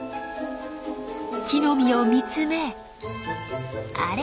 木の実を見つめあれ？